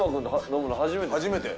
初めて。